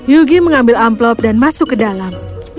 yugi mengambil amplop dan masuk ke dalam